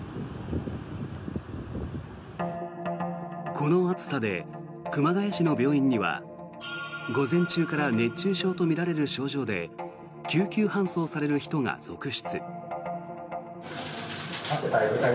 この暑さで熊谷市の病院には午前中から熱中症とみられる症状で救急搬送される人が続出。